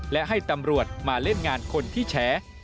และให้ตำรวจมาเล่นงานคนที่แฉ